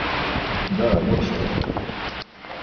Да, вот что!